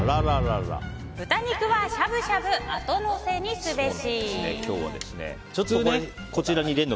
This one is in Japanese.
豚肉はしゃぶしゃぶあとのせにすべし。